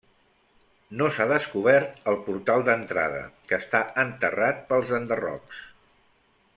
No s'ha descobert el portal d'entrada, que està enterrat pels enderrocs.